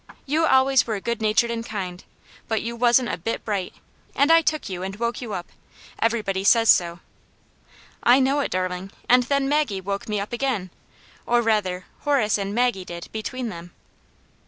You always were good natured and kind ; but you wasn't a bit bright, and I took you and woke you up. Everybody says so. " I know it, darling. And then Maggie woke me 212 Aunt Jane's Hero, up again ; or rather, Horace and Maggie did, between them."